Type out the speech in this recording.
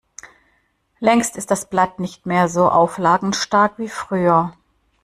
Längst ist das Blatt nicht mehr so auflagenstark wie früher.